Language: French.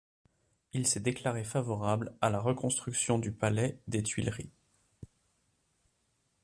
Il s’est déclaré favorable à la reconstruction du palais des Tuileries.